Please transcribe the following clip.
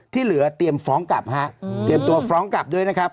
ที่เหลือเตรียมฟ้องกลับฮะเตรียมตัวฟ้องกลับด้วยนะครับ